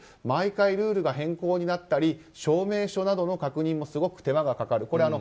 毎回ルールが変更になったり証明書などの確認もすごく手間がかかる。